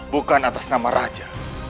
bukan atas nama raja